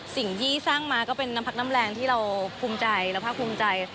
สิ่งที่สร้างมาก็เป็นน้ำพักน้ำแรงที่เราภูมิใจและภาคภูมิใจ